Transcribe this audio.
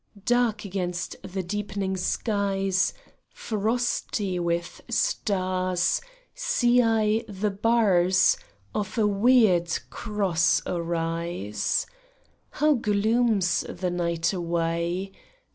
ARK 'gainst the deepening skies, Frosty with stars, See I the bars Of a wierd cross arise. How glooms the night away